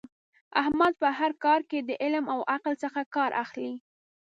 احمد په هر کار کې له علم او عقل څخه کار اخلي.